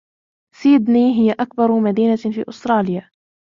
سيدني هي أكبر مدينة في استراليا.